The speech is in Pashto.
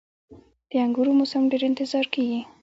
• د انګورو موسم ډیر انتظار کیږي.